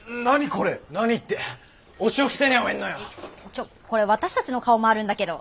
ちょっこれ私たちの顔もあるんだけど。